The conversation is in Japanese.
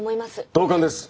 同感です。